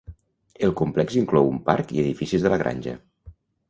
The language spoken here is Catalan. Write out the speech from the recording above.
El complex inclou un parc i edificis de la granja.